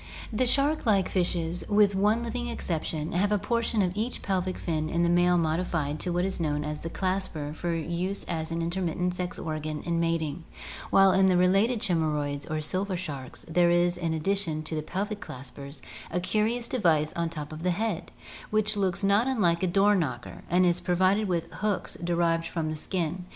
The shark like fishes, with one living exception, have a portion of each pelvic fin in the male modified into what is known as the clasper for use as an intro mittent organ in mating, while in the related chimajroids or silver sharks there is in addi tion to the pelvic claspers a curious device on the top of the head, which looks not un like a door knocker and is pro vided with hooks derived from the skin.